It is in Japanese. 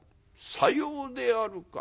「さようであるか。